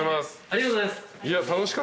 ありがとうございます。